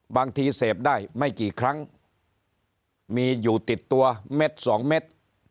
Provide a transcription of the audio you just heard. บางทีเสพได้ไม่กี่ครั้งมีอยู่ติดตัวเม็ดสองเม็ด